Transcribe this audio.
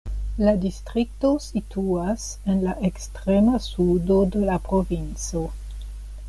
La distrikto situas en la ekstrema sudo de la provinco.